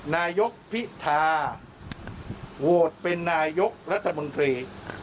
นายกพิธาโหวตเป็นนายกรัฐมนตรี